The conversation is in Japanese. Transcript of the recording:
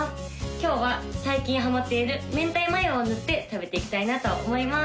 今日は最近ハマっているめんたいマヨを塗って食べていきたいなと思います